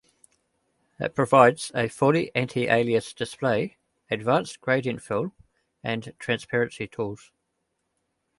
It provides a fully anti-aliased display, advanced gradient fill, and transparency tools.